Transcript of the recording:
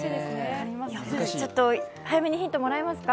早めにヒントもらいますか。